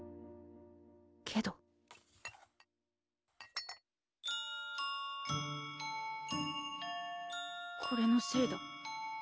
けどこれのせいだ。